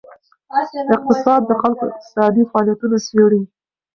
اقتصاد د خلکو اقتصادي فعالیتونه څیړي.